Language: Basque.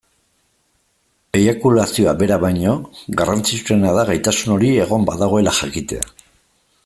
Eiakulazioa bera baino, garrantzitsuena da gaitasun hori egon badagoela jakitea.